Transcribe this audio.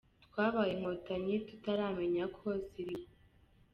Twabaye Inkotanyi tutaramenya ko ziriho